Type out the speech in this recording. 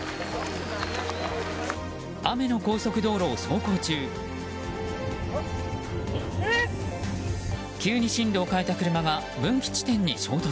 雨の高速道路を走行中急に道路を変えた車が分岐地点に衝突。